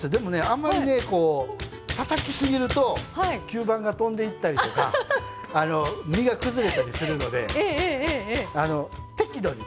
あんまりねたたきすぎると吸盤が飛んでいったりとか身が崩れたりするので適度に。